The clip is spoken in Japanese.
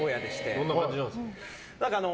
どんな感じなんですか。